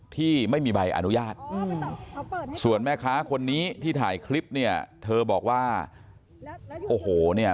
ที่ไม่มีใบอนุญาตส่วนแม่ค้าคนนี้ที่ถ่ายคลิปเนี่ยเธอบอกว่าโอ้โหเนี่ย